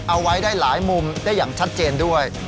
เอาไว้ได้หลายมุมได้อย่างชัดเจนด้วย